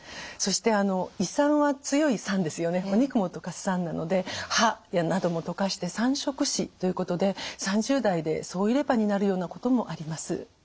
そして胃酸は強い酸ですよねお肉も溶かす酸なので歯なども溶かして酸蝕歯ということで３０代で総入れ歯になるようなこともあります。